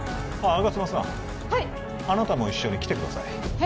吾妻さんはいあなたも一緒に来てくださいえ？